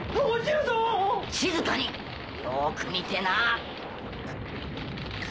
よく見てな！